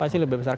pasti lebih besar